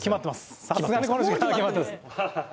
さすがにこの時間は決まってます。